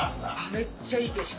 めっちゃいい景色。